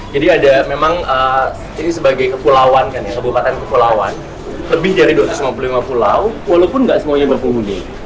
jadi ada memang ini sebagai kepulauan kan ya kabupaten kepulauan lebih dari dua ratus lima puluh lima pulau walaupun gak semuanya berpenghuni